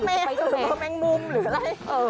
แมวมังมุมหรืออะไร